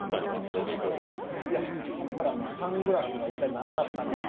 サングラスが一体何だったのか。